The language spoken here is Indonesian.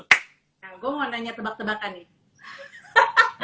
nah gua mau nanya tebak tebakan nih